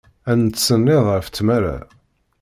Ad nettsennid ɣef tmara.